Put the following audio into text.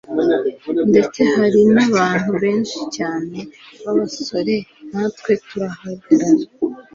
ndetse hari nabantu benshi cyane babasore, natwe turahagarara